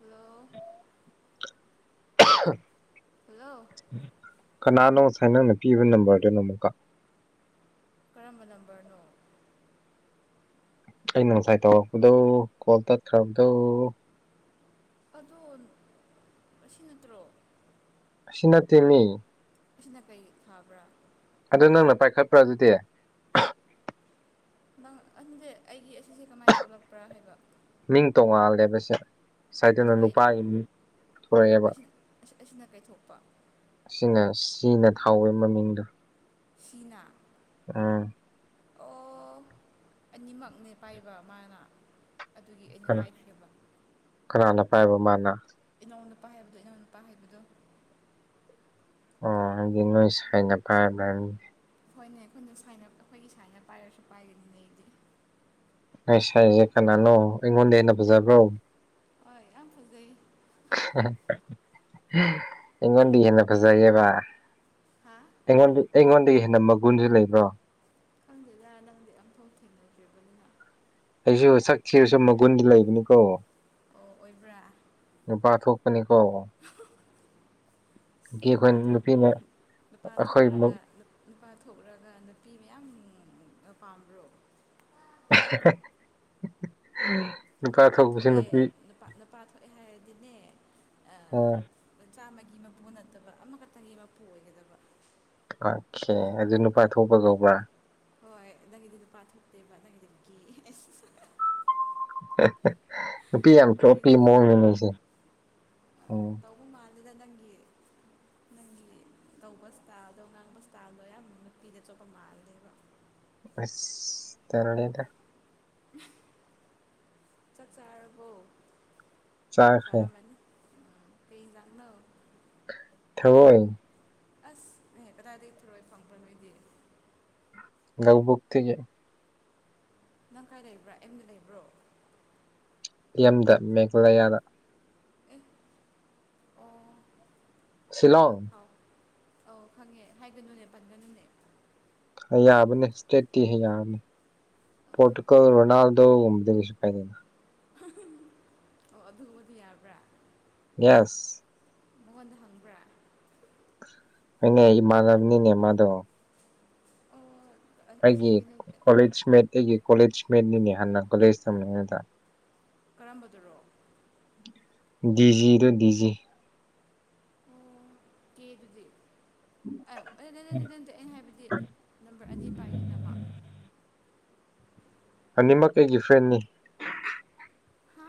Hello [inaudible] [unintelligible] hello ꯀꯅꯥꯅꯣ ꯉꯁꯥꯏ ꯅꯪꯅ ꯄꯤꯕ ꯅꯝꯕꯔꯗꯨꯅꯣ ꯑꯃꯨꯛꯀ ꯀꯔꯝꯕ ꯅꯝꯕꯔꯅꯣ ꯑꯩꯅ ꯉꯁꯥꯏ ꯇꯧꯔꯛꯄꯗꯣ ꯀꯣꯜ ꯇꯠꯈ꯭ꯔꯕꯗꯨ ꯑꯗꯣ ꯑꯁꯤ ꯅꯠꯇ꯭ꯔꯣ ꯑꯁꯤ ꯅꯠꯇꯦ ꯅꯦ ꯁꯤꯅ ꯀꯩ ꯐꯥꯕ꯭ꯔꯥ ꯑꯗꯨ ꯅꯪꯅ ꯄꯥꯏꯈꯠꯄ꯭ꯔꯥ ꯑꯗꯨꯗꯤ ꯅꯪ ꯑꯗꯨꯗꯤ ꯑꯩꯒꯤ ꯑꯁꯤꯁꯦ ꯀꯃꯥꯏꯅ ꯊꯣꯛꯂꯛꯄ꯭ꯔꯥ ꯍꯥꯏꯕ ꯃꯤꯡ ꯇꯣꯡꯉꯥꯜꯂꯦꯕ ꯁꯦ ꯑꯗꯨ ꯁꯥꯏꯗꯨꯅ ꯀꯩ ꯅꯨꯄꯥꯒꯤ ꯃꯤꯡ ꯊꯣꯛꯑꯦꯕ ꯑꯁꯤꯅ ꯑꯁꯤꯅ ꯀꯩ ꯊꯣꯛꯄ ꯑꯁꯤꯅ ꯁꯤꯅ ꯊꯥꯎꯋꯦ ꯃꯃꯤꯡꯗꯣ ꯁꯤꯅꯥ ꯑꯥ ꯑꯣ ꯑꯅꯤꯃꯛꯅꯦ ꯄꯥꯏꯕ ꯃꯥꯅ ꯑꯗꯨꯒꯤ ꯑꯩꯅ ꯀꯅꯥ ꯄꯥꯏꯈ꯭ꯔꯦꯕ ꯀꯅꯥꯅ ꯄꯥꯏꯕ ꯃꯥꯅ ꯏꯅꯥꯎ ꯅꯨꯄꯥ ꯍꯥꯏꯕꯗꯨ ꯏꯅꯥꯎ ꯅꯨꯄꯥ ꯍꯥꯏꯕꯗꯨ ꯑꯣ ꯍꯥꯏꯗꯤ ꯅꯣꯏ ꯁꯥꯏꯅ ꯐꯥꯒ꯭ꯔꯅꯤ ꯍꯣꯏꯅꯦ ꯑꯩꯈꯣꯏꯅ ꯁꯥꯏꯅ ꯑꯩꯈꯣꯏꯒꯤ ꯁꯥꯏꯅ ꯄꯥꯏꯔꯁꯨ ꯄꯥꯏꯒꯅꯤꯅꯦ ꯑꯩꯗꯤ ꯅꯪ ꯁꯥꯏꯁꯦ ꯀꯅꯥꯅꯣ ꯑꯩꯉꯣꯟꯗ ꯍꯦꯟꯅ ꯐꯖꯕ꯭ꯔꯣ ꯍꯣꯏ ꯌꯥꯝ ꯐꯖꯩ ꯏꯡꯒꯣꯟꯗꯤ ꯍꯅ ꯐꯖꯩꯕ ꯍꯥꯥ ꯑꯩꯉꯣꯟꯗ ꯑꯩꯉꯣꯟꯗꯒꯤ ꯍꯦꯟꯅ ꯃꯒꯨꯟꯁꯨ ꯂꯩꯕ꯭ꯔꯣ ꯈꯪꯗꯦꯗ ꯅꯪꯗꯤ ꯑꯐꯧ ꯊꯦꯡꯅꯈꯤꯕꯅꯤ ꯑꯩꯁꯨ ꯁꯛꯈꯤꯕꯔꯁꯨ ꯃꯒꯨꯟꯗꯤ ꯂꯩꯕꯅꯤꯀꯣ ꯑꯣ ꯑꯣꯏꯕ꯭ꯔꯥ ꯅꯨꯄꯥꯊꯣꯛꯄꯅꯤ ꯀꯣ [unintelligible] ꯅꯨꯄꯥ ꯑꯩꯈꯣꯏ ꯅꯨꯄꯤꯅ ꯅꯨꯄꯥ ꯑꯩꯈꯣꯏ ꯊꯣꯛꯎꯔꯒ ꯅꯨꯄꯥ ꯊꯣꯛꯂꯛꯒ ꯅꯨꯄꯤ ꯃꯌꯥꯝ ꯄꯥꯝꯕ꯭ꯔꯣ [unintelligible] ꯅꯨꯄꯥ ꯊꯣꯛꯄꯁꯦ ꯊꯣꯛꯑꯦ ꯅꯨꯄꯤ ꯅꯨꯄꯥ ꯊꯣꯛꯑꯦ ꯍꯥꯏꯔꯗꯤꯅꯦ ꯎꯝ ꯃ ꯆꯆꯥꯝꯃꯒꯤ ꯃꯄꯨ ꯅꯠꯇꯕ ꯑꯃꯈꯛꯇꯪꯒꯤ ꯃꯄꯨ ꯑꯣꯏꯒꯗꯕ ꯑꯣꯀꯦ ꯑꯗꯨ ꯅꯨꯄꯥ ꯊꯣꯛꯄ ꯀꯧꯕꯧꯕ꯭ꯔꯥ ꯍꯣꯏ ꯅꯪꯒꯤꯗꯤ ꯅꯨꯄꯥ ꯊꯣꯛꯇꯦꯕ ꯅꯪꯒꯤꯗꯤ ꯀꯤꯌꯦ [unintelligible] ꯅꯨꯄꯤ ꯌꯥꯝ ꯇ꯭ꯔꯣꯄꯤ ꯐꯒꯤꯗ ꯃꯑꯣꯡꯗ ꯂꯩꯏꯁꯦ ꯇꯧꯕ ꯃꯥꯟꯗꯨꯗ ꯅꯪꯒꯤ ꯅꯪꯒꯤ ꯇꯧꯕ ꯏꯁꯇꯥꯜꯗꯣ ꯉꯥꯡꯕ ꯏꯁꯇꯥꯜꯗꯣ ꯑꯌꯥꯝ ꯅꯨꯄꯤꯗ ꯑꯆꯣꯞꯄ ꯃꯥꯜꯂꯗꯦꯕ ꯑꯁ ꯇꯜꯂꯦꯗ [unintelligible] ꯆꯠ ꯆꯥꯔꯕꯣ ꯆꯥꯈ꯭ꯔꯦ ꯊꯔꯥꯃꯅ ꯀꯩ ꯂꯥꯛꯅ ꯊꯔꯣꯏ ꯑꯁ ꯅ ꯪꯅ ꯀꯗꯥꯏꯗꯒꯤ ꯊꯔꯣꯏ ꯐꯪꯕ꯭ꯔ ꯅꯣꯏꯗꯤ ꯂꯧꯕꯨꯛꯛꯇꯒꯤ ꯅꯪ ꯈꯥꯏ ꯂꯩꯕ꯭ꯔꯥ ꯑꯦꯝꯗ ꯂꯩꯕ꯭ꯔꯣ ꯌꯨꯝꯗ ꯃꯦꯘꯂꯌꯥꯅ ꯑꯦ ꯑꯣ ꯁꯤꯂꯣꯡ ꯑꯧ ꯑꯧ ꯈꯪꯉꯦ ꯍꯥꯏꯒꯅꯨꯅꯦ ꯄꯟꯒꯅꯨꯅꯦ ꯌꯥꯕꯅꯦ ꯏꯁꯇ꯭ꯔꯦꯠꯇꯤ ꯌꯥꯕꯅꯤ ꯄꯣꯔꯇꯨꯒꯜ ꯔꯣꯅꯥꯜꯗꯣꯗꯁꯨ ꯄꯥꯏꯗꯅ ꯑꯣ ꯑꯗꯨꯒꯕꯨꯗꯤ ꯌꯥꯕ꯭ꯔꯥ ꯌꯦꯁ ꯃꯉꯣꯟꯗ ꯍꯪꯕ꯭ꯔꯥ ꯍꯣꯏꯅꯦ ꯏꯃꯥꯟꯅꯕꯅꯤꯅꯦ ꯃꯥꯗꯣ ꯑꯣ ꯑꯁꯤ ꯑꯩꯒꯤ ꯀꯩꯅꯣ ꯀꯣꯂꯦꯖ ꯃꯦꯠ ꯑꯩꯒꯤ ꯀꯣꯂꯦꯖ ꯃꯦꯠꯅꯤꯅꯦ ꯍꯥꯟꯅ ꯀꯣꯂꯦꯖ ꯇꯝꯃꯤꯉꯩꯗ ꯀꯔꯝꯕꯗꯨꯔꯣ ꯗꯤꯖꯤꯗ ꯗꯤꯖꯤ ꯑꯣ ꯀꯦꯗꯨꯗ ꯑꯣꯗ ꯂꯩꯗꯤ [unintelligible] ꯑꯩꯅ ꯍꯥꯏꯕꯗꯤ ꯅꯝꯕꯔ ꯑꯅꯤ ꯄꯥꯏꯔꯤ ꯅꯃ ꯑꯅꯤꯃꯛ ꯑꯩꯒꯤ ꯐ꯭ꯔꯦꯟꯅꯤ ꯍꯥ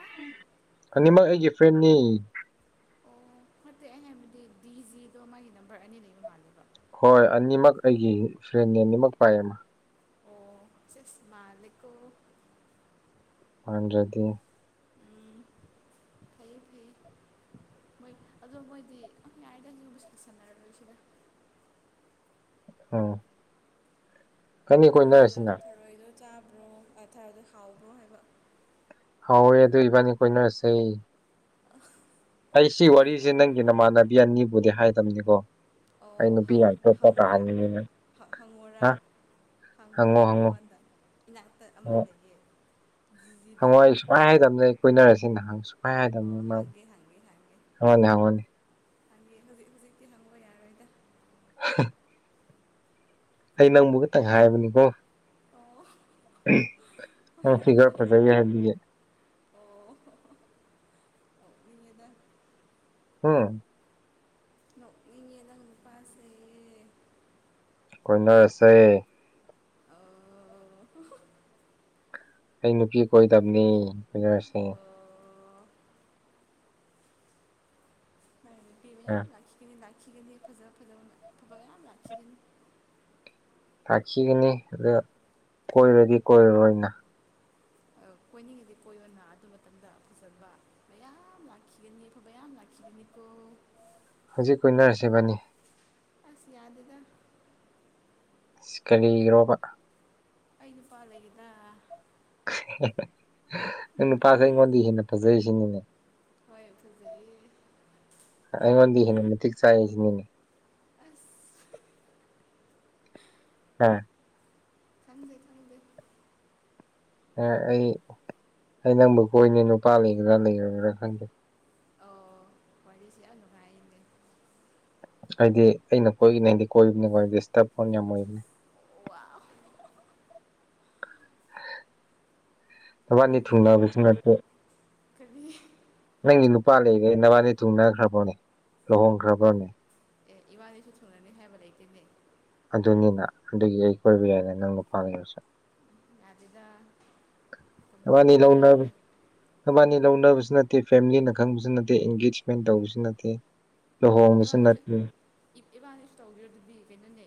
ꯑꯅꯤꯃꯛ ꯑꯩꯒꯤ ꯐ꯭ꯔꯦꯟꯅꯤ ꯐꯠꯇꯦ ꯑꯩꯅ ꯍꯥꯏꯕꯗꯤ ꯗꯤ ꯖꯤꯗꯣ ꯃꯥꯒꯤ ꯅꯝꯕꯔ ꯑꯅꯤ ꯂꯩꯕ ꯃꯥꯜꯂꯦꯕ ꯍꯣꯏ ꯑꯅꯤꯃꯛ ꯑꯩꯒꯤ ꯐ꯭ꯔꯦꯟꯅꯦ ꯑꯅꯤꯃꯛ ꯄꯥꯏꯌꯦ ꯃꯥ ꯑꯣ ꯆꯦꯁ ꯃꯥꯂꯦꯀꯣ ꯃꯥꯟꯗ꯭ꯔꯗꯤ ꯎꯝ ꯐꯩꯌꯦ ꯐꯩꯌꯦ ꯃꯣꯏ ꯑꯗꯣ ꯃꯣꯏꯗꯤ ꯑꯗꯨꯝ ꯌꯥꯏꯗ [unintelligible] ꯎꯝ ꯏꯕꯥꯅꯤ ꯊꯔꯣꯏꯗꯣ ꯀꯣꯏꯅꯔꯁꯤꯅ ꯊꯔꯣꯏꯗꯣ ꯆꯥꯕ꯭ꯔꯣ ꯄꯥꯊꯥꯗꯣ ꯍꯥꯎꯕ꯭ꯔꯣ ꯍꯥꯏꯕ ꯍꯥꯎꯋꯦ ꯑꯗꯨ ꯏꯕꯥꯅꯤ ꯀꯣꯏꯅꯔꯁꯦ [unintelligible] ꯑꯩ ꯁꯤ ꯅꯪ ꯍꯦꯛꯇ ꯋꯥꯔꯤꯁꯦ ꯅꯪꯒꯤ ꯅꯃꯥꯟꯅꯕꯤ ꯑꯅꯤꯕꯨꯗꯤ ꯍꯥꯏꯕꯅꯤꯀꯣ ꯑꯣ ꯍꯪ ꯍꯪꯉꯣꯔꯥ ꯍ ꯍꯪꯉꯣꯔꯥ ꯍꯥ ꯍꯪꯉꯣ ꯍꯪꯉꯣꯔꯥ ꯍꯪꯉꯣ ꯃꯉꯣꯟꯗ ꯏꯅꯥꯛꯇ ꯑꯃ ꯍꯪꯉꯣ ꯂꯩꯌꯦ ꯖꯤꯖꯤꯗꯣ ꯍꯪꯉꯣ ꯑꯩ ꯁꯨꯛꯍꯥꯏ ꯍꯥꯏꯗꯕꯅꯦ ꯑꯩ ꯀꯣꯏꯅꯔꯁꯦꯅ ꯁꯨꯡꯍꯥꯏ ꯑꯣ ꯍꯥꯏꯗꯕꯅꯤ ꯃꯥꯕꯨ ꯍꯪꯒꯦ ꯍꯪꯉꯣꯅꯦ ꯍꯪꯉꯣꯅꯦ ꯍꯥꯏꯗꯤ ꯍꯧꯖꯤꯛ ꯍꯧꯖꯤꯛꯀꯤ ꯍꯪꯕ ꯌꯥꯔꯣꯏꯗ [unintelligible] ꯑꯩ ꯅꯪꯕꯨ ꯇꯪꯈꯥꯏ ꯍꯥꯏꯕꯅꯤꯀꯣ ꯑꯣ [unintelligible] ꯍꯣꯏ ꯅꯪ ꯐꯤꯒꯔ ꯍꯣꯏ ꯐꯖꯅꯤ ꯍꯥꯏꯕꯤꯒꯦ ꯑꯣ ꯑꯗꯨꯅꯤꯗ ꯍꯥꯝ ꯅꯣꯛꯅꯤꯡꯉꯦ ꯅꯪ ꯅꯨꯄꯥꯁꯦ ꯀꯣꯏꯅꯔꯁꯦ ꯑꯣ ꯑꯩ ꯅꯨꯄꯤ ꯀꯣꯏꯗꯕꯅꯤ ꯀꯣꯏꯅꯔꯁꯦ ꯑꯣ ꯅꯪ ꯅꯨꯄꯤ ꯃꯌꯥꯝ ꯑ ꯂꯥꯛꯈꯤꯒꯅꯤ ꯂꯥꯛꯈꯤꯒꯅꯤ ꯐꯖ ꯐꯖꯕ ꯃꯌꯥꯝ ꯂꯥꯛꯈꯤꯒꯅꯤ ꯊꯥꯈꯤꯒꯅꯤ ꯑꯗꯨ ꯀꯣꯏꯔꯗꯤ ꯀꯣꯏꯔꯔꯣꯏꯅ ꯀꯣꯏꯅꯤꯡꯉꯗꯤ ꯀꯣꯏꯌꯣꯅꯥ ꯑꯗꯨ ꯃꯇꯝꯗ ꯐꯖꯕ ꯃꯌꯥꯝ ꯂꯈꯤꯒꯅꯤꯕ ꯃꯌꯥꯝ ꯂꯈꯤꯒꯅꯤꯀꯣ ꯍꯧꯖꯤꯛ ꯀꯣꯏꯅꯔꯁꯦ ꯏꯕꯅꯤ ꯑꯁ ꯌꯥꯗꯦꯗ ꯏꯁ ꯀꯔꯤꯒꯤꯔꯣꯕ ꯑꯩ ꯅꯨꯄꯥ ꯂꯩꯒꯦꯗ ꯅꯪ ꯅꯨꯄꯥꯁꯦ ꯑꯩꯉꯣꯟꯗꯩ ꯍꯦꯟꯅ ꯐꯖꯩꯁꯤꯅꯤꯅꯦ ꯍꯣꯏ ꯐꯖꯩꯌꯦ ꯑꯩꯉꯣꯟꯗꯩ ꯍꯦꯟꯅ ꯃꯇꯤꯛ ꯆꯥꯏꯁꯤꯅꯤꯅꯦ ꯑꯁ ꯑꯥ ꯈꯪꯗꯦ ꯈꯪꯗꯦ ꯑ ꯑꯩ ꯑꯩ ꯅꯪꯕꯨ ꯀꯣꯏꯅꯤ ꯅꯨꯄꯥ ꯂꯩꯒꯦꯔ ꯂꯩꯔꯣꯏꯔ ꯈꯪꯗꯦ ꯑꯣ ꯋꯥꯔꯤꯁꯦ ꯌꯥꯝ ꯅꯨꯡꯉꯥꯏꯔꯤꯅꯦ ꯑꯩꯗꯤ ꯑꯩꯅ ꯀꯣꯏꯒꯅꯦꯗꯤ ꯀꯣꯏꯕꯅꯤꯀꯣ ꯑꯩꯗꯤ ꯗꯤꯁꯇꯔꯕ ꯐꯣꯟ ꯌꯥꯝ ꯑꯣꯏꯕꯅꯦ ꯋꯥꯎ ꯅꯕꯥꯅꯤ ꯅꯪꯖꯦ ꯀꯌꯥꯃꯨꯛ ꯊꯨꯡꯅꯕꯁꯨ ꯅꯠꯇꯦ ꯀꯔꯤ ꯅꯪꯒꯤ ꯅꯨꯄꯥ ꯂꯩꯈꯩ ꯅꯕꯥꯅꯤ ꯊꯨꯅꯈ꯭ꯔꯕꯅꯦ ꯂꯨꯍꯣꯡꯈ꯭ꯔꯕꯅꯦ ꯑꯦ ꯏꯕꯥꯅꯤꯁꯨ ꯊꯨꯡꯅꯅꯤ ꯍꯥꯏꯕ ꯂꯩꯇꯦꯅꯦ ꯑꯗꯨꯅꯤꯅ ꯑꯗꯨꯒꯤ ꯑꯩ ꯀꯣꯏꯕ ꯌꯥꯏꯅ ꯅꯪ ꯅꯨꯄꯥ ꯂꯩꯔꯁꯨ ꯌꯥꯗꯦꯗ ꯄꯪꯀꯣꯏ ꯅꯕꯅꯤ ꯀꯣꯏꯕ ꯂꯧꯅꯝ ꯌꯥꯗꯦ ꯅꯕꯥꯅꯤ‌ ꯂꯧꯅꯕꯁꯨ ꯅꯠꯇꯦ ꯐꯦꯝꯂꯤꯅ ꯈꯪꯕꯁꯨ ꯅꯠꯇꯦ ꯏꯟꯒꯦꯖꯃꯦꯟ ꯇꯧꯕꯁꯨ ꯅꯠꯇꯦ꯫ ꯂꯨꯍꯣꯡꯕꯁꯨ ꯏꯕꯥꯅꯤꯁꯨ ꯅꯠꯇꯦ ꯏꯕꯥꯅꯤꯁꯨ ꯇꯧꯕꯤꯔꯗꯨꯗꯤ ꯀꯩꯅꯣꯅꯦ꯫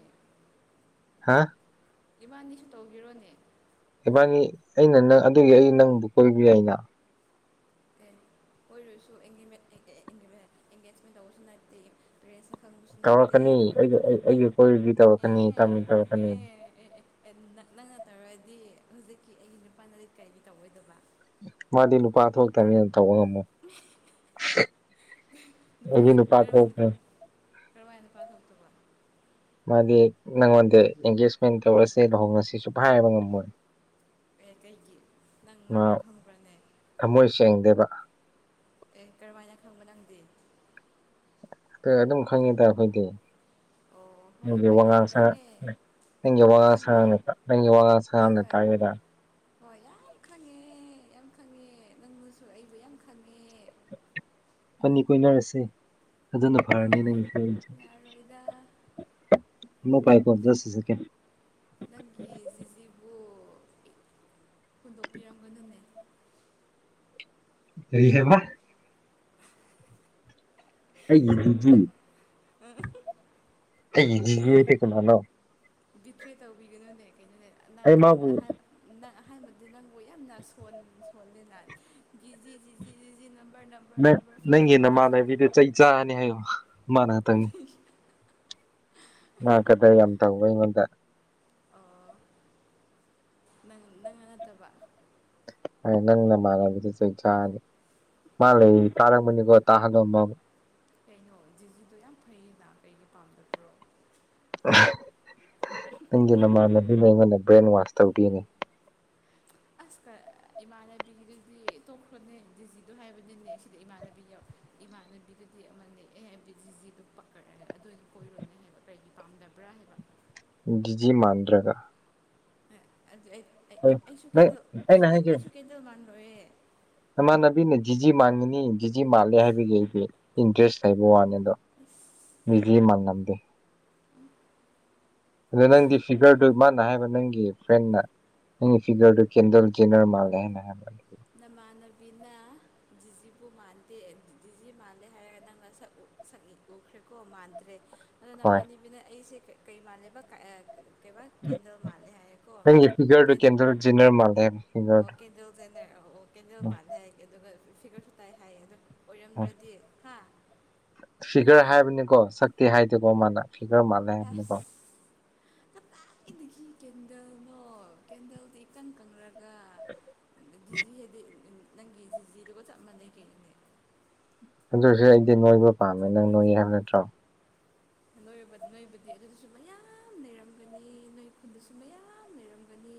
ꯍꯥꯥ꯫ ꯏꯕꯥꯅꯤꯁꯨ ꯇꯧꯕꯤꯔꯣꯅꯦ꯫ ꯏꯕꯥꯅꯤ ꯑꯩꯅ ꯅꯪ ꯑꯗꯨꯒꯤ ꯑꯩ ꯅꯪꯕꯨ ꯀꯣꯏꯕ ꯌꯥꯏꯅ꯫ ꯀꯣꯏꯔꯁꯨ ꯑꯦꯡꯒꯦꯖꯃꯦꯟ ꯇꯧꯕꯁꯨ ꯅꯠꯇꯦ ꯄꯦꯔꯦꯁꯅ ꯈꯪꯕꯁꯨ ꯅꯠꯇꯦꯗ ꯇꯧꯔꯛꯀꯅꯤ ꯑꯩꯒ [unintelligible] ꯅꯠꯇꯦ ꯑꯩꯒ ꯀꯣꯏꯔꯗꯤ ꯇꯧꯔꯛꯀꯅꯤ ꯇꯝꯃꯤ ꯑꯦ ꯇꯧꯔꯛꯀꯅꯤ ꯑꯦ꯫ ꯑꯦ ꯅ ꯅꯪꯅ ꯇꯧꯔꯗꯤ ꯍꯧꯖꯤꯛꯀꯤ ꯑꯩꯒꯤ ꯅꯨꯄꯥꯅꯗꯤ ꯀꯔꯤꯗꯤ ꯇꯧꯔꯛꯑꯣꯏꯗꯕ꯫ ꯃꯥꯗꯤ ꯅꯨꯄꯥ ꯊꯣꯛꯇꯝꯅꯤꯅ ꯇꯧꯕ ꯉꯝꯃꯣꯏ꯫ ꯑꯩꯗꯤ ꯅꯨꯄꯥꯗ ꯀꯔꯝꯃꯥꯏ ꯅꯨꯄꯥ ꯊꯣꯛꯈ꯭ꯔꯦ ꯀꯔꯝꯃꯥꯏꯅ ꯅꯨꯄꯥ ꯊꯣꯛꯇꯔꯤꯕ꯫ ꯃꯥꯗꯤ ꯅꯪꯉꯣꯟꯗ ꯑꯦꯡꯒꯦꯖꯃꯦꯟ ꯇꯧꯔꯁꯦꯡ ꯂꯨꯍꯣꯡꯉꯁꯦ ꯁꯨꯡꯍꯥꯏ ꯍꯥꯏꯕ ꯉꯝꯃꯣꯏ꯫ ꯑꯦ ꯀꯩꯒꯤ ꯅꯪ ꯃꯥ ꯃꯥꯕꯨ ꯈꯪꯕ꯭ꯔꯅꯦ꯫ ꯊꯃꯣꯏ ꯁꯦꯡꯗꯦꯕ꯫ ꯑꯦ ꯀꯔꯝꯃꯥꯏꯅ ꯈꯪꯕ ꯅꯪꯗꯤ꯫ ꯑꯦ ꯑꯗꯨꯝ ꯈꯪꯉꯤꯗ ꯑꯩꯈꯣꯏꯗꯤ ꯑꯣ ꯍꯣꯏ ꯃꯤꯒꯤ ꯍꯣꯏ ꯌꯥꯝ ꯋꯥꯉꯥꯡ ꯁꯥꯉꯥꯡ ꯈꯪꯉꯦ ꯅꯪꯒꯤ ꯌꯥꯝ ꯋꯥꯉꯥꯡ ꯈꯪꯉꯦ ꯁꯥꯉꯥꯡ ꯅꯪ ꯋꯥꯉꯥꯡ ꯍꯣꯏ ꯁꯥꯉꯥꯡꯅ ꯍꯣꯏ ꯇꯥꯛꯏꯗ꯫ ꯍꯣꯏ ꯌꯥꯝ ꯈꯪꯉꯦ ꯌꯥꯝ ꯈꯪꯉꯦ ꯅꯪꯕꯨꯁꯨ ꯑꯩꯕꯨ ꯌꯥꯝ ꯈꯪꯉꯦ꯫ ꯏꯕꯥꯅꯤ ꯀꯣꯏꯅꯔꯁꯦ ꯑꯗꯨꯅ ꯐꯔꯅꯤ ꯑꯣꯏ ꯅꯪꯒꯤꯁꯨ ꯑꯩꯁꯨ꯫ ꯌꯥꯔꯣꯏꯗ [unintelligible] ꯅꯪꯒꯤ ꯖꯤꯖꯤꯕꯨ ꯍꯨꯟꯗꯣꯛꯄꯤꯔꯝꯒꯅꯨꯅꯦ꯫ ꯀꯔꯤ ꯍꯥꯏꯕ꯫ ꯑꯩꯒꯤ ꯗꯤꯖꯤ ꯅꯪ ꯑꯩꯒꯤ ꯗꯤꯖꯤ ꯍꯥꯏꯗꯤ ꯀꯅꯥꯅꯣ꯫ ꯗꯤꯇ꯭ꯔꯦ ꯇꯧꯕꯤꯒꯅꯨꯅꯦ ꯀꯩꯅꯣꯅꯦ ꯑꯩ ꯅꯪ ꯃꯥꯕꯨ ꯑꯍ ꯅꯪ ꯑꯍꯥꯟꯕꯗꯤ ꯅꯪꯕꯨ ꯌꯥꯝꯅ ꯁꯣꯜ ꯁꯣꯜꯂꯤꯅ ꯗꯤꯖꯤ ꯖꯤꯖꯤ ꯖꯤꯖꯤ ꯅꯝꯕꯔ ꯅꯝ ꯅꯪ ꯅꯪꯒꯤ ꯅꯃꯥꯟꯅꯕꯤꯗ ꯆꯩ ꯆꯥꯔꯅꯤ ꯍꯥꯏꯌꯣ ꯃꯥꯅꯍꯥꯛꯇꯪꯅꯤ꯫ ꯃꯥ ꯀꯗꯔ ꯌꯥꯝ ꯇꯥꯎꯋꯦ ꯑꯩꯉꯣꯟꯗ꯫ ꯑꯣ꯫ ꯅꯪ ꯅꯪꯅ ꯅꯠꯇꯕ꯫ ꯍꯥꯏ ꯅꯪ ꯅꯃꯥꯥꯟꯅꯕꯤꯗꯣ ꯆꯩ ꯆꯥꯅꯤ ꯃꯥ ꯂꯩ ꯇꯥꯔꯝꯃꯅꯤꯀꯣ꯫ [unintelligible] ꯀꯩꯅꯣ ꯗꯤꯖꯤꯗꯣ ꯌꯥꯝ ꯐꯩꯌꯦꯅꯥ ꯀꯔꯤꯒꯤ ꯄꯥꯝꯗꯕ꯭ꯔꯣ꯫ ꯅꯪꯒꯤ ꯅꯃꯥꯟꯅꯕꯤꯅ ꯑꯩꯉꯣꯟꯗ ꯕ꯭ꯔꯦꯟ ꯋꯥꯁ ꯇꯧꯕꯤꯅꯤ꯫ ꯑꯁ ꯀ ꯏꯃꯥꯟꯅꯕꯤꯒꯤꯗꯨꯗꯤ ꯇꯣꯛꯈ꯭ꯔꯣꯅꯦ ꯗꯤꯖꯤꯗꯣ ꯍꯥꯏꯕꯗꯤꯅꯦ ꯁꯤꯗ ꯏꯃꯥꯟꯅꯕꯤꯗꯣ꯫ ꯏꯃꯥꯟꯅꯕꯤꯗꯨꯗꯤ ꯑꯃꯅꯤꯅꯦ ꯑꯦ ꯕꯤ ꯖꯤꯖꯤꯗꯨ ꯄꯛꯈꯠꯔꯒꯦ ꯑꯗꯨ ꯀꯣꯏꯔꯣꯏꯅꯦ ꯍꯥꯏꯕ꯫ ꯀꯔꯤꯒꯤ ꯄꯥꯝꯗꯕ꯭ꯔꯥ ꯍꯥꯏꯕ꯫ ꯗꯤꯖꯤ ꯃꯥꯟꯗ꯭ꯔꯒ꯫ ꯑꯥ ꯑꯗꯨ ꯑꯩ ꯑꯩ ꯍꯣꯏ ꯑꯩ ꯑꯩꯁꯨ ꯅꯪ ꯀꯦꯗꯧ ꯑꯩꯁꯨ ꯑꯩꯅ ꯀꯦ ꯑꯩꯁꯨ ꯀꯩꯗꯧ ꯃꯥꯟꯕ꯭ꯔꯣꯌꯦ ꯏꯃꯥꯟꯅꯕꯤꯅ ꯗꯤꯖꯤ ꯃꯥꯡꯉꯤꯅꯤ ꯗꯤꯖꯤ ꯃꯥꯜꯂꯦ ꯍꯥꯏꯕꯒꯤ ꯑꯩꯁꯦ ꯏꯟꯇꯔꯦꯁ ꯂꯩꯕ ꯋꯥꯅꯤ ꯑꯗꯣ ꯑꯁ ꯗꯤꯖꯤ ꯃꯥꯟꯂꯝꯗꯦ꯫ ꯑꯗꯨꯗ ꯅꯪꯗꯤ ꯐꯤꯒꯔꯗꯨ ꯃꯥꯅ ꯍꯥꯏꯕ ꯅꯪꯒꯤ ꯐ꯭ꯔꯦꯟꯅ ꯅꯪ ꯐꯤꯒꯔꯗꯨ ꯀꯦꯟꯗꯜ ꯀꯤꯅꯔ ꯃꯥꯜꯂꯦ ꯍꯥꯏꯅ ꯍꯥꯏꯕ꯫ ꯅꯃꯥꯟꯅꯕꯤꯅ ꯗꯤꯖꯤꯕꯨ ꯃꯥꯟꯗꯦ ꯗꯤꯖꯤ ꯃꯥꯜꯂꯦ ꯍꯥꯏꯔꯒ ꯅꯪꯅ ꯁꯛꯎ ꯁꯛ ꯎꯈꯔꯦ ꯀꯣ ꯃꯥꯟꯗꯔꯦ ꯑꯗꯣ ꯍꯣꯏ ꯅꯃꯥꯟꯅꯕꯤꯅ ꯑꯩꯁꯦ ꯀꯩ ꯃꯥꯜꯂꯦꯕ ꯀꯥꯏ ꯑꯥ꯫ ꯑꯣ ꯀꯩꯕꯥ ꯀꯦꯟꯗ꯭ꯔꯣ ꯃꯥꯜꯂꯦ ꯍꯥꯏꯌꯦꯀꯣ ꯀꯦꯟ ꯖꯤꯅꯔ ꯃꯜꯂꯦ ꯍꯥꯏꯝ ꯑꯣꯀꯦꯟꯗꯧ ꯖꯦꯅꯔ ꯑꯣ ꯀꯦꯟꯗꯧ ꯎꯝ ꯃꯥꯟꯂꯦ ꯍꯥꯏꯌꯦ ꯑꯗꯨꯒ ꯐꯤꯒꯔꯁꯨ ꯇꯥꯏ ꯍꯥꯏꯌꯦ ꯑꯗꯣ ꯎꯝ ꯑꯣꯏꯔꯝꯗ꯭ꯔꯗꯤ ꯍꯥ꯫ ꯐꯤꯒꯔ ꯍꯥꯏꯕꯅꯤꯀꯣ ꯁꯛꯇꯤ ꯍꯥꯏꯗꯦꯀꯣ ꯃꯥꯅ ꯐꯤꯒꯔ ꯃꯥꯜꯂꯦ ꯑꯁ ꯍꯥꯏꯕꯅꯤꯀꯣ꫰꫰ ꯀꯗꯥꯏꯗꯒꯤ ꯀꯦꯟꯗꯜꯅꯣ ꯀꯦꯟꯗꯜꯗꯤ꯫ ꯏꯀꯪ ꯀꯪꯔꯒ ꯗꯤꯖꯤ ꯍꯦꯗꯤꯠ ꯅꯪꯒꯤ ꯖꯤꯖꯤꯗꯨꯒ ꯆꯞ ꯃꯥꯟꯅꯩꯀꯩꯅꯣ꯫ ꯑꯗꯨꯁꯨ ꯑꯩꯗꯤ ꯅꯣꯏꯕ ꯄꯥꯝꯃꯦ ꯅꯪ ꯅꯣꯏꯌꯦ ꯍꯥꯏꯕ ꯅꯠꯇ꯭ꯔꯣ ꯅꯣꯏꯕ ꯅꯣꯏꯕꯨꯗꯤ ꯑꯗꯨꯗꯁꯨ ꯃꯌꯥꯝ ꯅꯔꯝꯒꯅꯤ ꯅꯣꯏ ꯈꯨꯟꯗꯁꯨ ꯃꯌꯥꯝ ꯅꯔꯝꯒꯅꯤ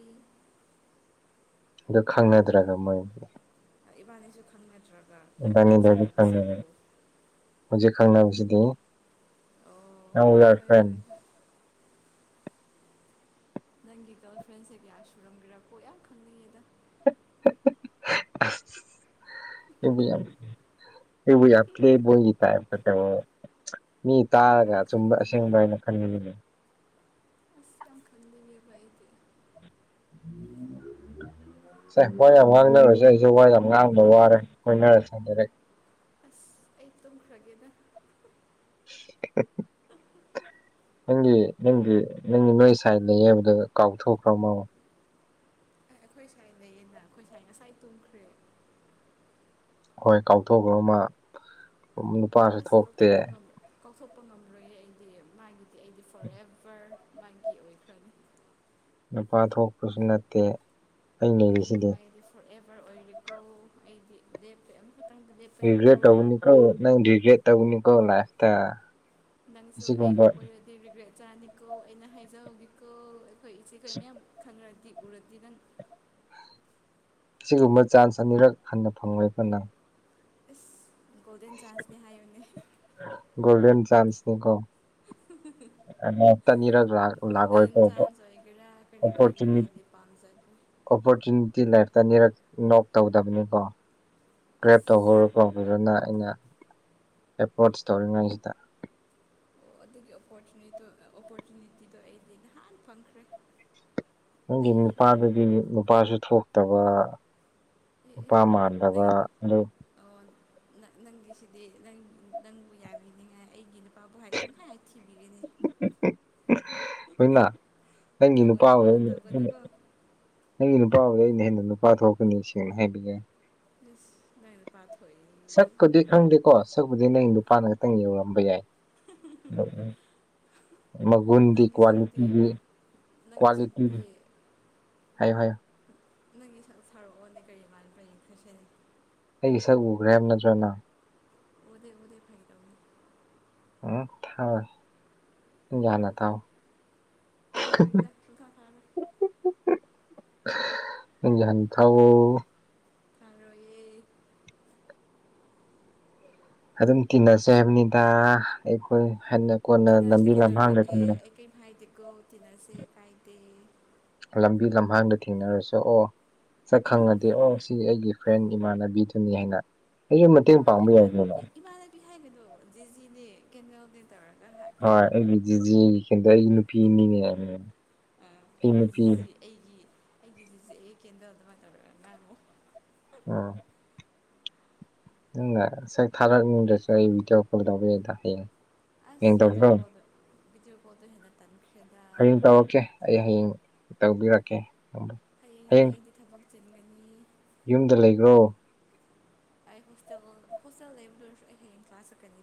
ꯑꯗꯨ ꯈꯪꯅꯗ꯭ꯔꯒ ꯃꯣꯏꯒꯤ ꯏꯕꯥꯅꯤꯁꯨ ꯈꯪꯅꯗ꯭ꯔꯒ ꯀꯒꯣꯜ ꯈꯇꯪ ꯏꯕꯥꯅꯤꯗꯣ ꯍꯧꯖꯤꯛ ꯈꯪꯅꯔꯦ ꯁꯥꯟꯅꯕꯁꯤꯕꯨ ꯍꯧꯖꯤꯛ ꯈꯪꯅꯕꯕꯁꯤꯗꯤ ꯑꯣ ꯐ꯭ꯔ ꯅꯪꯒꯤ ꯒꯔꯜꯐ꯭ꯔꯦꯟꯁꯦ ꯀꯌꯥ ꯁꯨꯔꯝꯒꯦꯔꯥ ꯀꯣ ꯌꯥꯝ ꯈꯪꯅꯤꯡꯉꯦꯗ꯫ [unintelligible] ꯑꯩꯕꯨ ꯌꯥꯝ ꯑꯩꯕꯨ ꯌꯥꯝ ꯄ꯭ꯂꯦꯕꯣꯏꯒꯤ ꯇꯥꯏꯞꯇ [unintelligible] ꯃꯤ ꯌꯥꯝ ꯇꯥꯔꯒ ꯌꯥꯝ ꯑꯆꯨꯝꯕ ꯈꯪꯅꯤꯡꯉꯦ ꯑꯁꯦꯡꯕ ꯍꯥꯏꯅ ꯈꯟꯒꯅꯤꯅꯦ ꯑꯁ ꯇꯝ ꯈꯟꯒꯤꯒꯦꯕ ꯑꯩꯗꯤ [inaudible] ꯁꯦ ꯋꯥ ꯌꯥꯝ ꯉꯥꯡꯅꯔꯣꯏꯁꯦ ꯑꯩꯁꯨ ꯋꯥ ꯌꯥꯝ ꯉꯥꯡꯕꯗ ꯋꯥꯔꯦ ꯈꯣꯏꯅꯔꯁꯦ ꯗꯥꯏꯔꯦꯛ ꯑꯁ ꯑꯩ ꯇꯨꯝꯈ꯭ꯔꯒꯦꯗ [unintelligible] ꯅꯪꯒꯤ ꯅꯪꯒꯤ ꯅꯪꯒꯤ ꯅꯣꯏ ꯁꯥꯏ ꯂꯩꯌꯦ ꯍꯥꯏꯕꯗꯣ ꯀꯥꯎꯊꯣꯛꯈ꯭ꯔꯕꯣ? ꯑꯦ ꯑꯩꯈꯣꯏ ꯁꯥꯏ ꯂꯩꯌꯦꯅ ꯑꯩꯈꯣꯏ ꯁꯥꯏ ꯉꯁꯥꯏ ꯇꯨꯝꯈ꯭ꯔꯦ ꯍꯣꯏ ꯀꯥꯎꯊꯣꯛꯈ꯭ꯔꯣ ꯦꯃ ꯅꯨꯄꯥꯁꯨ ꯑꯁ ꯊꯣꯛꯇꯦ ꯀꯥꯎꯊꯣꯛꯄ ꯉꯝꯔꯣꯏ ꯀꯥꯎꯊꯣꯛꯄ ꯉꯝꯔꯣꯏꯌꯦ ꯑꯩꯗꯤ ꯃꯥꯒꯤꯗꯤ ꯑꯩꯗꯤ ꯐꯣꫪꯑꯦꯕꯔ ꯃꯥꯒꯤ ꯑꯣꯏꯈ꯭ꯔꯅꯤ꯫ ꯅꯨꯄꯥ ꯊꯣꯛꯄꯁꯨ ꯅꯠꯇꯦ ꯑꯩ ꯑꯩꯒꯤ ꯂꯩꯔꯤꯁꯤꯗꯤ ꯃꯥꯏꯟꯗꯤ ꯐꯣꯔꯑꯦꯚꯔ ꯑꯣꯏꯔꯤꯀꯣ ꯑꯩꯗꯤ ꯂꯦꯞꯄꯦ ꯑꯃꯈꯛꯇꯪꯗ ꯂꯦꯞ ꯍꯒꯦ ꯇꯧꯅꯤ ꯀꯣ ꯅꯪ ꯍꯤꯔꯦ ꯇꯒꯅꯤ ꯀꯧ ꯂꯇ ꯅꯪꯁꯨ ꯑꯩꯕꯨ ꯀꯣꯏꯔꯗꯤ ꯔꯤꯒ꯭ꯔꯦꯠ ꯆꯥꯅꯤꯀꯣ ꯑꯩꯅ ꯍꯥꯏꯖꯍꯧꯤꯀꯣ ꯑꯩꯈꯣꯏ ꯏꯆꯦꯈꯣꯏ ꯃꯌꯥꯝ ꯈꯪꯔꯗꯤ ꯎꯔꯗꯤ ꯅꯪ ꯑꯁꯤꯒꯨꯝꯕ ꯆꯥꯟꯆ ꯑꯅꯤꯔꯛ ꯍꯟꯅ ꯐꯪꯉꯣꯏꯀꯣ ꯅꯪ ꯏꯁ ꯒꯣꯜꯗꯦꯟ ꯆꯥꯟꯆꯅꯦ ꯍꯥꯏꯌꯣꯅꯦ ꯒꯣꯜꯗꯟ ꯆꯥꯟꯆ ꯅꯤꯀꯣ [unintelligible] ꯑꯃꯣꯛꯇ ꯑꯅꯤꯔꯛ ꯂꯥꯛ ꯒꯣꯜꯗꯟ ꯂꯥꯛꯑꯣꯏꯀꯣ ꯆꯥꯟꯆ ꯑꯣꯏꯒꯦꯔꯥ ꯀꯔꯤ ꯑꯣꯏꯒꯦꯔꯥ ꯑꯣꯄꯣꯔꯆꯨꯅꯤ ꯑꯩꯗꯤ ꯄꯥꯝꯖ ꯑꯣꯄꯣꯔꯆꯨꯅꯤꯇꯤ ꯂꯥꯏꯐꯇ ꯑꯅꯤꯔꯛ ꯅꯣꯛ ꯇꯧꯗꯕꯅꯤꯀꯣ ꯄ꯭ꯔꯦꯞ ꯑꯁ ꯇꯧꯍꯧꯔꯣꯀꯣ ꯗꯨꯗ ꯅꯥ ꯑꯩꯅ ꯑꯦꯄ꯭ꯔꯣꯆ ꯇꯧꯔꯤꯉꯩꯖꯤꯗ ꯑꯗꯨꯒꯤ ꯑꯣꯄꯣꯔꯆꯨꯅꯤꯗꯣ ꯑꯣꯄꯣꯔꯆꯨꯅꯤꯇꯤꯗꯣ ꯑꯩꯗꯤ ꯅꯍꯥꯟ ꯐꯪꯈ꯭ꯔꯦ ꯅꯪꯒꯤ ꯂꯩꯈ꯭ꯔꯦ ꯅꯨꯄꯥꯗꯨꯗꯤ ꯅꯨ-ꯅꯨꯄꯥꯁꯨ ꯊꯣꯛꯇꯕ ꯑꯦ ꯑꯦ ꯅꯨꯄꯥ ꯃꯟꯗꯕ ꯅꯪ ꯑꯗꯨ ꯑꯣ ꯅ-ꯅꯪꯒꯤꯁꯤꯗꯤ ꯅꯪ ꯅꯪꯕꯨ ꯌꯥꯕꯤꯅꯤꯡꯉꯥꯏ ꯑꯩꯒꯤ ꯄꯥꯕꯨꯍꯥꯏ ꯄꯨꯡꯍꯥꯏ ꯊꯤꯕꯤꯒꯅꯤ ꯍꯣꯏꯅ [unintelligible] ꯅꯪꯒꯤ ꯅꯨꯄꯥꯕꯨ ꯇꯧꯒꯅꯨꯀꯣ ꯇꯧꯒꯅꯨꯀꯣ ꯅꯪꯒꯤ ꯅꯨꯄꯥꯕꯨꯗ ꯑꯩꯅ ꯍꯦꯟꯅ ꯅꯨꯄꯥ ꯊꯣꯛꯀꯅꯤ ꯁꯦꯡꯅ ꯍꯥꯏꯕꯤꯒꯦ ꯏꯁ ꯅꯪ ꯅꯨꯄꯥ ꯊꯣꯛꯏ ꯁꯛꯄꯨꯗꯤ ꯈꯪꯗꯦꯀꯣ ꯁꯛꯄꯨꯗꯤ ꯅꯪ ꯅꯨꯄꯥꯅ ꯈꯇꯪ ꯌꯧꯔꯝꯕ ꯌꯥꯏ ꯎꯝ ꯎꯝ ꯃꯒꯨꯟꯗꯤ ꯅꯪꯒꯤ ꯁꯛꯇꯤ ꯀ꯭ꯋꯥꯂꯤꯇꯤꯒꯤ ꯅꯪꯒꯤ ꯁꯛꯇꯤ ꯀ꯭ꯋꯥꯂꯤꯇꯤꯅꯤ ꯍꯥꯏꯌꯣ ꯍꯥꯏꯌꯣ [unintelligible] ꯑꯩꯒꯤ ꯁꯛ ꯎꯒ꯭ꯔꯦ ꯍꯥꯏꯝ ꯅꯠꯇ꯭ꯔ ꯅꯪ ꯎꯗꯦ ꯎꯗꯦ ꯐꯥꯒꯤ ꯇꯧ ꯎꯝ ꯊꯥꯔꯣꯏ ꯅꯪꯒꯤ ꯍꯥꯟꯅ ꯊꯥꯎ ꯐꯥꯔꯣꯏꯗ ꯁꯨꯡꯐꯥ ꯐꯥꯔꯣꯏ [unintelligible] ꯅꯪꯒꯤ ꯍꯥꯟ ꯊꯥꯎꯑꯣ ꯃꯔꯣꯏ ꯑꯦ ꯑꯗꯨꯝ ꯇꯤꯟꯅꯁꯦ ꯍꯥꯏꯕꯅꯤꯗ ꯑꯩꯈꯣꯏ ꯍꯟꯅ ꯀꯣꯟꯅ ꯇꯤꯟꯅꯁꯦ ꯂꯝꯕꯤ ꯂꯝꯍꯥꯡꯗ ꯀꯩꯗꯧꯔꯒꯦ ꯊꯨꯡꯅ ꯑꯩ ꯀꯦꯝ ꯍꯥꯏꯗꯦꯀꯣ ꯇꯤꯟꯅꯁꯦ ꯀꯥꯏꯗꯦ ꯂꯝꯕꯤ ꯂꯝꯍꯥꯡꯗ ꯊꯦꯡꯅꯔꯁꯨ ꯑꯣ ꯁꯛ ꯈꯪꯉꯗꯤ ꯑꯣ ꯁꯤ ꯑꯩꯒꯤ ꯐ꯭ꯔꯦꯟ ꯏꯃꯥꯟꯅꯕꯤꯗꯨꯅꯤ ꯍꯥꯏꯅ ꯑꯩꯖꯨ ꯃꯇꯦꯡ ꯄꯥꯡꯕ ꯌꯥꯏ ꯀꯩꯅꯣ ꯄꯤ ꯍꯥꯏꯒꯅꯣ ꯖꯤꯖꯤꯅꯦ ꯀꯦꯅꯦꯜꯅꯦ ꯇꯧꯔꯒ ꯍꯥ ꯀꯛꯎꯕ [unintelligible] ꯑꯩ ꯅꯨꯄꯤꯅꯤꯅꯦ ꯑꯥ ꯑꯩꯒꯤ ꯅꯨꯄꯤ ꯖꯤꯖꯤ ꯑꯩꯒꯤ ꯑꯩꯒꯤ ꯖꯤꯖꯤ ꯑꯩ ꯀꯦꯟꯗꯜ ꯑꯗꯨꯃꯥꯏꯅ ꯇꯧꯔ ꯉꯥꯡꯉꯣ ꯎꯝ ꯅꯪꯅ ꯉꯁꯥꯏ ꯊꯥꯔꯛꯅꯤꯡꯗ꯭ꯔꯁꯨ ꯑꯩ ꯚꯤꯗꯤꯑꯣ ꯀꯣꯜ ꯇꯧꯒꯦꯗ ꯍꯌꯦꯡ ꯍꯌꯦꯡ ꯑꯁ ꯚꯤꯗꯤꯑꯣ ꯇꯧꯁꯤꯔꯣ ꯀꯣꯜꯗꯨ ꯚꯤꯗꯤꯑꯣ ꯀꯣꯜꯗꯨ ꯍꯦꯟꯅ ꯇꯟꯈ꯭ꯔꯦꯗ ꯍꯌꯦꯡ ꯇꯧꯔꯛꯀꯦ ꯑꯩ ꯍꯌꯦꯡ ꯇꯧꯕꯤꯔꯛꯀꯦ ꯍꯌꯦꯡ ꯍꯌꯦꯡꯗꯤ ꯑꯩꯗꯤ ꯊꯕꯛ ꯆꯤꯟꯒꯅꯤ ꯌꯨꯝꯗ ꯂꯩꯈ꯭ꯔꯣ ꯑꯩ ꯍꯣꯁꯇꯦꯜ ꯍꯣꯁꯇꯦꯜ ꯂꯩꯕꯗꯨꯁꯨ ꯑꯩ ꯍꯌꯦꯡ ꯀ꯭ꯂ ꯆꯛꯀꯅꯤ